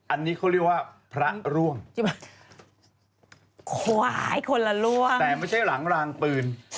อันนี้เขาเรียกว่าพระร่วงขวายคนละร่วงแต่ไม่ใช่หลังรางปืน